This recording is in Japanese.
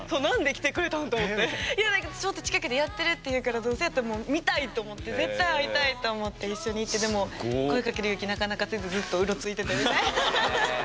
ちょっと近くでやってるっていうからどうせやったらもう見たいと思って絶対会いたいと思って一緒に行ってでも声かける勇気なかなか出ずずっとうろついててみたいな。